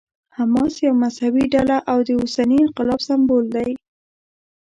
حماس یوه مذهبي ډله او د اوسني انقلاب سمبول دی.